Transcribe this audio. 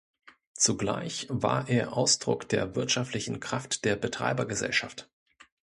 Zugleich war er Ausdruck der wirtschaftlichen Kraft der Betreibergesellschaft.